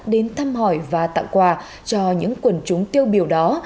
đến thăm hỏi và tặng quà cho những quần chúng tiêu biểu đó